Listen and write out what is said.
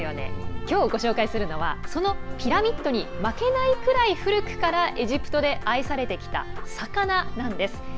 きょう、ご紹介するのはそのピラミッドに負けないくらい古くからエジプトで愛されてきた魚なんです。